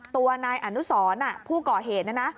ตัวนายอนุสรผู้ก่อเหตุนะนะ